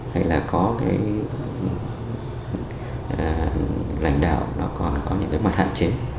hay là có cái lãnh đạo nó còn có những cái mặt hạn chế